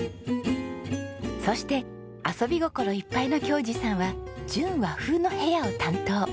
そして遊び心いっぱいの恭嗣さんは純和風の部屋を担当。